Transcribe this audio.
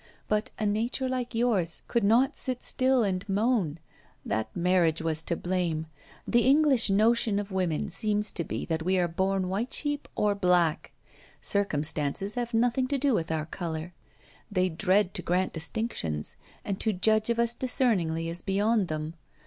But a nature like yours could not sit still and moan. That marriage was to blame! The English notion of women seems to be that we are born white sheep or black; circumstances have nothing to do with our colour. They dread to grant distinctions, and to judge of us discerningly is beyond them.